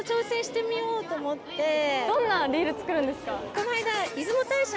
この間。